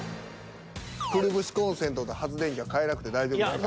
くるぶしコンセントと発電機は変えなくて大丈夫ですか？